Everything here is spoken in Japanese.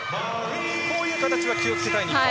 こういう形は気を付けたい日本。